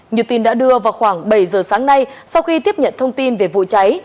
như tin đã đưa vào khoảng bảy giờ sáng nay sau khi tiếp nhận thông tin về vụ cháy